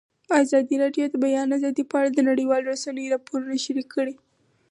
ازادي راډیو د د بیان آزادي په اړه د نړیوالو رسنیو راپورونه شریک کړي.